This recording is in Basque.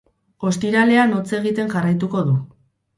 Ostiralean hotz egiten jarraituko du.